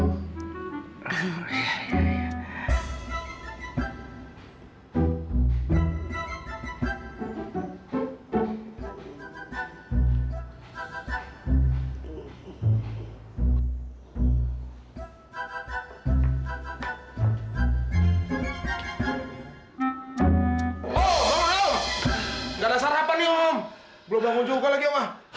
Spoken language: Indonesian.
oh bangun bangun nggak ada sarapan nih om belum bangun juga lagi om ah